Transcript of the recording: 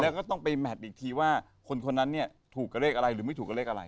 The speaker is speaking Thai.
แล้วก็ต้องไปแมทอีกทีว่าคนคนนั้นเนี่ยถูกกับเลขอะไรหรือไม่ถูกกับเลขอะไร